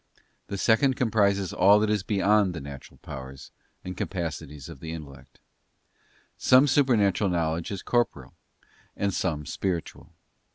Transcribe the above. The second comprises all that is beyond the natural powers and capacity of the . intellect. Some supernatural knowledge is corporeal, and some spiritual.